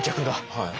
はい。